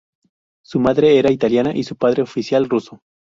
Su madre era italiana, y su padre oficial ruso.